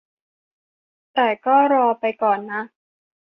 แต่ก็รอไปก่อนนะ